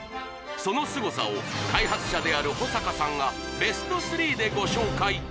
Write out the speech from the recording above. そのすごさを開発者である保阪さんがＢＥＳＴ３でご紹介